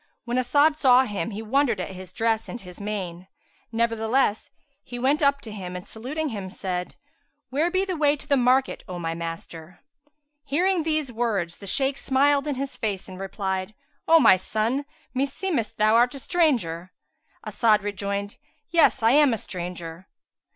When As'ad saw him, he wondered at his dress and his mien; nevertheless, he went up to him and saluting him said, "Where be the way to the market, O my master?" Hearing these words the Shaykh smiled in his face and replied, "O my son, meseemeth thou art a stranger?" As'ad rejoined, "Yes, I am a stranger."